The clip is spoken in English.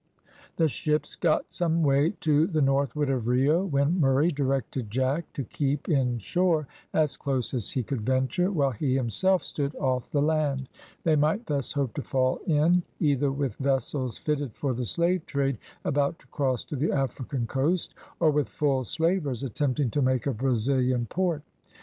The ships got some way to the northward of Rio when Murray directed Jack to keep in shore as close as he could venture, while he himself stood off the land; they might thus hope to fall in, either with vessels fitted for the slave trade about to cross to the African coast, or with full slavers attempting to make a Brazilian port.